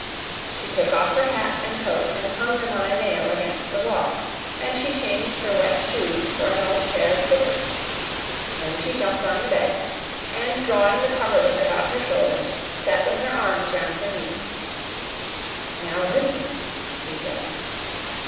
She took off her hat and coat and hung them on a nail against the wall, and she changed her wet shoes for an old pair of slippers. Then she jumped on the bed, and drawing the coverlet about her shoulders, sat with her arms round her knees. "Now, listen," she said.